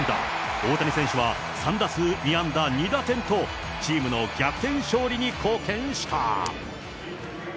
大谷選手は３打数２安打２打点と、チームの逆転勝利の貢献した。